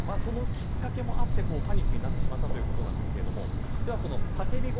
そのきっかけもあってパニックになってしまったということですが、叫び声